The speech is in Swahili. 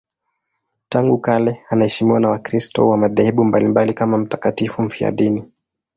Tangu kale anaheshimiwa na Wakristo wa madhehebu mbalimbali kama mtakatifu mfiadini.